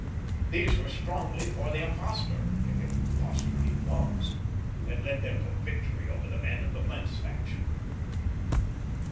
These were strongly for the impostor, if impostor he was, who had led them to victory over the men of the Blentz faction.